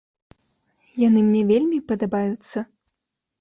Яны мне вельмі падабаюцца.